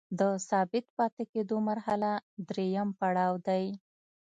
د ثابت پاتې کیدو مرحله دریم پړاو دی.